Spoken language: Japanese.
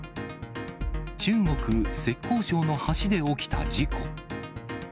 中国・浙江省の橋で起きた事故。